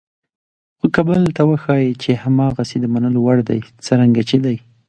خو که بل ته وښایئ چې هماغسې د منلو وړ دي څرنګه چې دي.